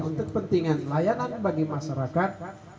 untuk kepentingan layanan bagi masyarakat